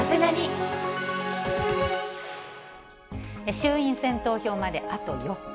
衆院選投票まであと４日。